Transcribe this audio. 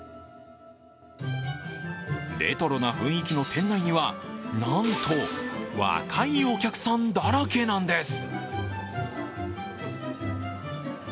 レトロな雰囲気の店内には、なんと若いお客さんだらけなんです。